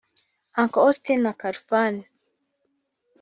Uncle Austin na Khalfan